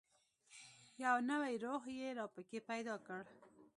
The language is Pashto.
یو نوی روح یې را پکښې پیدا کړ.